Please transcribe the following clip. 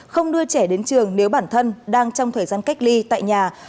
không đưa trẻ đến trường nếu bản thân đang trong thời gian cách ly tại nhà